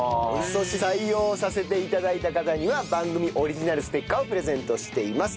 そして採用させて頂いた方には番組オリジナルステッカーをプレゼントしています。